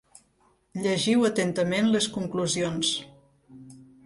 Llegiu atentament les conclusions.